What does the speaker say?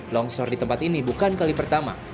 longsor di tempat ini bukan kali pertama